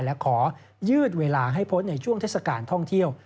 และขอยืดเวลาให้พ้นในช่วงเทศกาลท่องเที่ยว